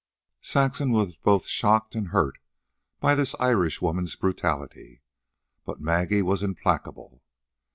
Saxon was both shocked and hurt by the Irishwoman's brutality. But Maggie was implacable.